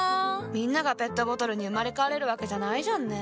みんながペットボトルに生まれ変われるわけじゃないじゃんね。